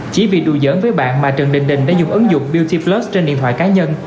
chỉ vì đùa giỡn với bạn mà trần đình đình đã dùng ứng dụng beauty plus trên điện thoại cá nhân